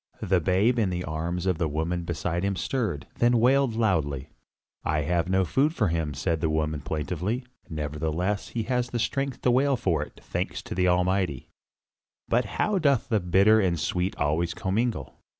The babe in the arms of the woman beside him stirred, then wailed loudly. "I have no food for him," said the woman plaintively. "Nevertheless he hath the strength to wail for it, thanks be to the Almighty. But how doth the bitter and the sweet always commingle.